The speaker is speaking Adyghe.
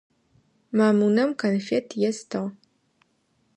Мамунэм конфет естыгъ.